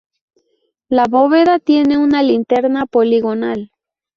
La bóveda tiene una linterna poligonal.